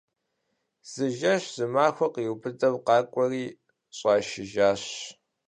Зы жэщ зы махуэм къриубыдэу къакӏуэри щӏашыжащ.